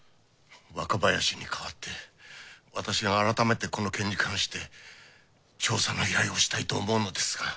若林にかわって私が改めてこの件に関して調査の依頼をしたいと思うのですが。